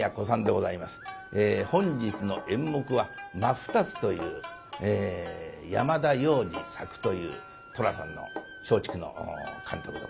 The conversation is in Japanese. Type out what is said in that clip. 本日の演目は「真二つ」という山田洋次・作という「寅さん」の松竹の監督でございます。